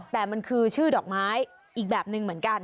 แต่มันคือชื่อดอกไม้อีกแบบหนึ่งเหมือนกัน